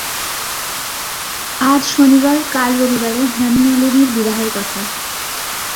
আজ শনিবার, কাল রবিবারে হেমনলিনীর বিবাহের কথা।